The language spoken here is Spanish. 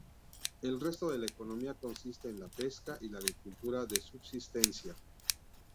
El resto de la economía consiste en la pesca y la agricultura de subsistencia.